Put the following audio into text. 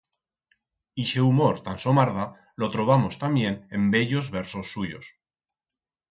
Ixe humor tan somarda lo trobamos tamién en bellos versos suyos.